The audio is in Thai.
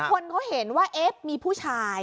คนเขาเห็นว่าเอ๊ะมีผู้ชาย